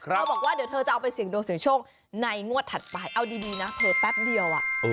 บอกว่าเดี๋ยวเธอจะเอาไปเสี่ยงดวงเสียงโชคในงวดถัดไปเอาดีนะเผลอแป๊บเดียว